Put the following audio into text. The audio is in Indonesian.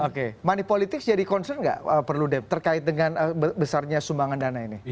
oke money politics jadi concern nggak perlu dep terkait dengan besarnya sumbangan dana ini